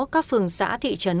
các phường xã thị trấn